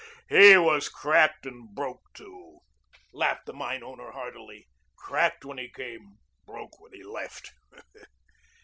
"He was cracked and broke too," laughed the mine owner hardily. "Cracked when he came, broke when he left."